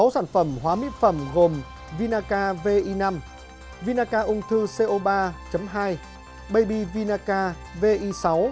sáu sản phẩm hóa mỹ phẩm gồm vinaca vi năm vinaca ung thư co ba haibi vinaca vi sáu